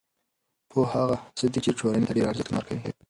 پوهه هغه څه ده چې ټولنې ته د ډېری ارزښتونه ورکوي.